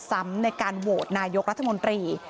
ในการโหวตนายกรัฐมนตรี